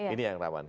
ini yang rawan